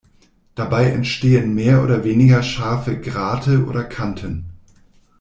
Dabei entstehen mehr oder weniger scharfe Grate oder Kanten.